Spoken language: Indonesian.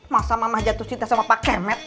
masa mama jatuh cinta sama pak kernet